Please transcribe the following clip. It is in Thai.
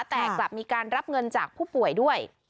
แต่กลับมีการรับเงินจากผู้ป่วยด้วย